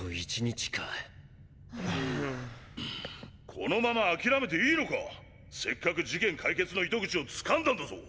このまま諦めていいのか⁉せっかく事件解決の糸口をつかんだんだぞ！